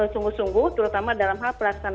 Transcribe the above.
sungguh sungguh terutama dalam hal pelaksanaan